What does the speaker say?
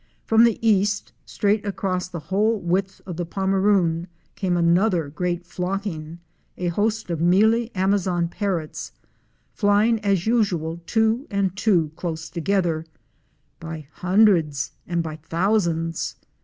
From the east, straight across the whole width of the Pomeroon came another great flocking, a host of Mealy Amazon Parrots® flying as usual two and two close to gether —by hundreds and by thousands.